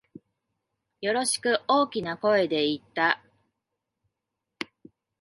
よろしく、大きな声で言った。